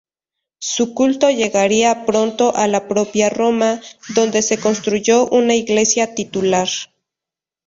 Su culto llegaría pronto a la propia Roma, donde se construyó una iglesia titular.